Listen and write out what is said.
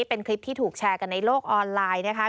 เป็นคลิปที่ถูกแชร์กันในโลกออนไลน์นะคะ